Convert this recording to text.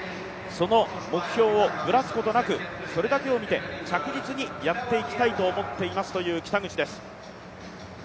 その目標をぶらすことなく、それだけを見て着実にやっていきたいと思っていますと話す北口です。